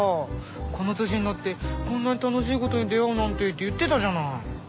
「この歳になってこんな楽しいことに出会うなんて」って言ってたじゃない。